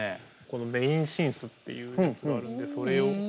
このメインシンセっていうやつがあるのでそれを。